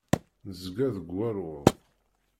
Nezga deg waluḍ.